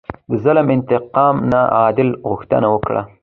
د ظلم انتقام نه، عدل غوښتنه وکړه.